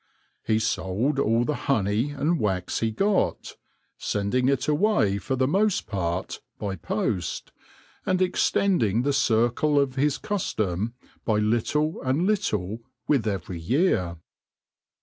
He sold all the honey and wax he got, sending it away, for the most part, by post, and extending the circle of his custom by little and little with every year.